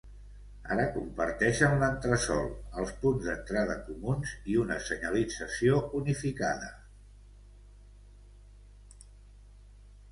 Ara comparteixen l'entresol, els punts d'entrada comuns i una senyalització unificada.